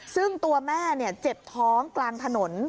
ซึ่งตัวแม่เจ็บท้องกลางถนน